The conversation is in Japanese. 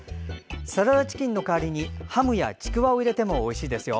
サラダチキンの代わりにハムやちくわを入れてもおいしいですよ。